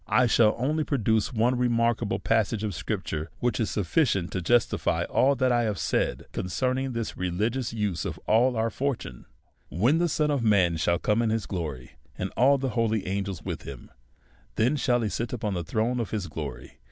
I shall only produce one remarkable passage of scrip ture, which is sufficient to justify all that 1 have. said concerning this religious use of our fortune. " When the Son of man shall come in his glory, and all tiie holy angels with him, then shall he sit upon the throne of his glory.